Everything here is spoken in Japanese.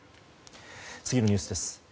次のニュースです。